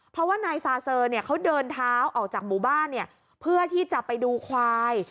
เพราะว่านายซาเซอร์เขาเดินเท้าออกจากหมู่บ้านเพื่อที่จะไปดูควาย